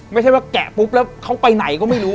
ไม่ใช่ว่าแกะปุ๊บแล้วเขาไปไหนก็ไม่รู้